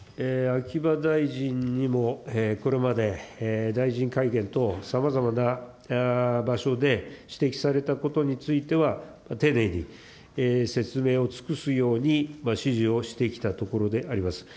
秋葉大臣にもこれまで大臣会見等、さまざまな場所で指摘されたことについては、丁寧に説明を尽くすように指示をしてきたところであります。